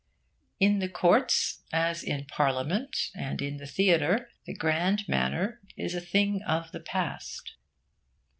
In the courts, as in parliament and in the theatre, the grand manner is a thing of the past.